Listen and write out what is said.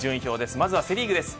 まずはセ・リーグです。